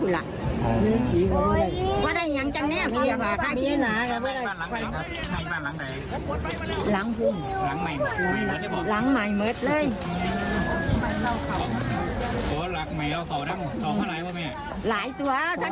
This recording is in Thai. ไหม้หมดเลยเขายังออกมากกว่าท่านได้ที่ยังสะพาดค่าขิ้น